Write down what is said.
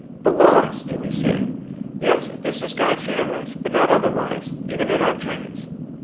" Belongs," do we say ? Yes, if this is God's universe, but not otherwise, even in our dreams.